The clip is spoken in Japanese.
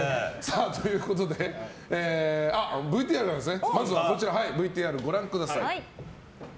ということでまずはＶＴＲ、ご覧ください。